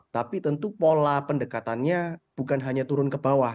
tapi tentu pola pendekatannya bukan hanya turun ke bawah